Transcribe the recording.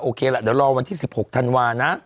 ล่ะเดี๋ยวรอวันที่๑๖ธันวานะ